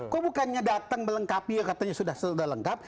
kok bukannya datang melengkapi yang katanya sudah selesai lengkap